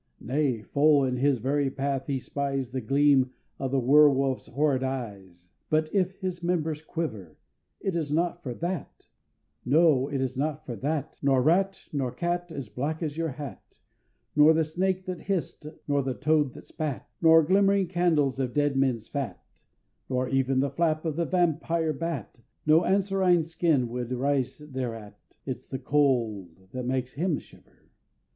Nay, full in his very path he spies The gleam of the Were Wolf's horrid eyes; But if his members quiver It is not for that no, it is not for that Nor rat, Nor cat, As black as your hat, Nor the snake that hiss'd, nor the toad that spat, Nor glimmering candles of dead men's fat, Nor even the flap of the Vampire Bat, No anserine skin would rise thereat, It's the cold that makes Him shiver!